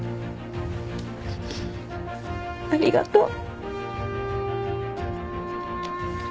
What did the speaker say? ありがとう。